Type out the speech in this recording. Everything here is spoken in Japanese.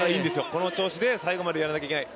この調子で最後までやらなきゃいけない。